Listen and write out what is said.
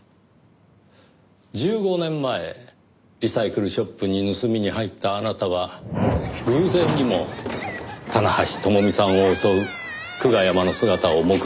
１５年前リサイクルショップに盗みに入ったあなたは偶然にも棚橋智美さんを襲う久我山の姿を目撃したんですね？